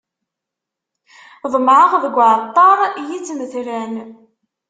Ḍemɛeɣ deg uɛeṭṭaṛ yittmetran.